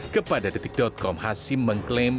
kepada detik com hasim mengklaim